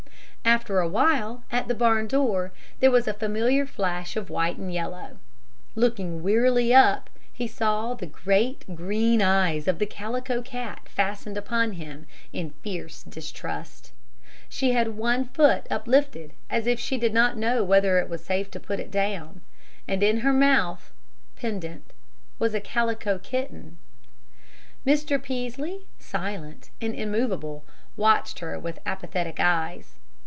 After a while, at the barn door there was a familiar flash of white and yellow. Looking wearily up he saw the great, green eyes of the Calico Cat fastened upon him in fierce distrust. She had one foot uplifted as if she did not know whether it was safe to put it down, and in her mouth, pendent, was a Calico Kitten. Mr. Peaslee, silent and immovable, watched her with apathetic eyes.